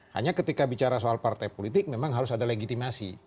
hanya ketika bicara soal partai politik memang harus ada legitimasi